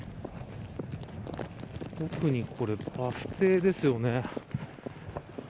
特にバス停ですよね。